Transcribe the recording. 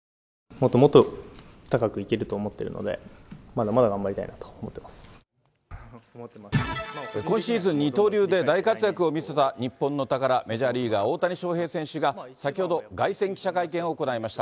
もっともっと高く行けると思っているので、まだまだ頑張りた今シーズン、二刀流で大活躍を見せた日本の宝、メジャーリーガー、大谷翔平選手が、先ほど凱旋記者会見を行いました。